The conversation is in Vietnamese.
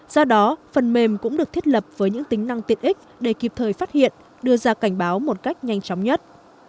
do đó phần mềm cũng được thiết lập với những tính năng tiện ích để kịp thời phát hiện đưa ra cảnh báo một cách nhanh chóng nhất